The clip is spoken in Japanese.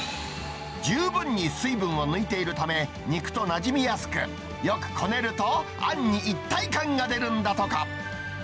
十分に水分を抜いているため、肉となじみやすく、よくこねるとあんに一体感が出るんだとか。